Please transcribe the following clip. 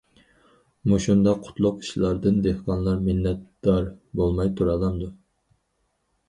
مۇشۇنداق قۇتلۇق ئىشلاردىن دېھقانلار مىننەتدار بولماي تۇرالامدۇ؟!